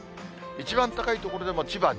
一番高い所でも千葉１４度。